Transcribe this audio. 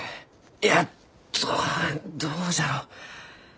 いやどどうじゃろう？